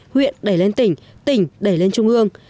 huyện đẩy lên tỉnh tỉnh đẩy lên trung ương